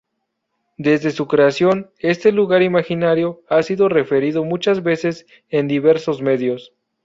Desde su creación, este lugar imaginario ha sido referido muchas veces en diversos medios.